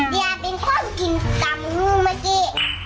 เดี๋ยวเป็นคนกินตามนู้นเมื่อกี้